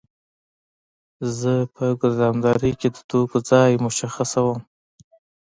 زه په ګدامدارۍ کې د توکو ځای مشخصوم.